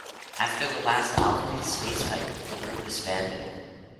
After the last album, "Space Piper", the group disbanded.